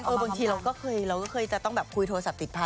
เหรอบางทีเราก็คือเราก็คือจะต้องแบบคุยโทรศัพท์ติดพัน